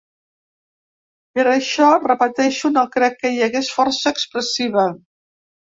Per això, repeteixo, no crec que hi hagués força excessiva.